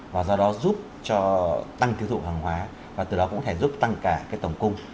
và do đó giúp cho tăng tiêu thụ hàng hóa và từ đó cũng có thể giúp tăng cả cái tổng cung